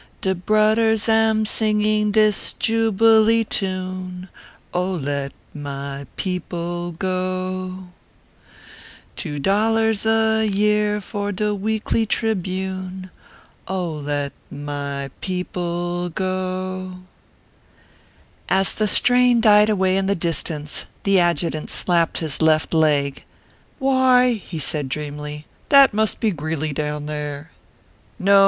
. De brudders am singing dis jubilee tune, 0, let my people go ; Two doDars a year for de Weekly Tribune, 0, let my people go!" ORPHEUS C. KERR PAPERS. 263 As the strain died away in the distance, the adju tant slapped his left leg. " Why," said he, dreamily, " that must be Greeley down there." "No